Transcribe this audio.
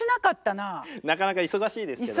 なかなか忙しいですけども。